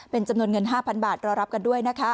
เป็นจำนวนเงิน๕๐๐บาทรอรับกันด้วยนะคะ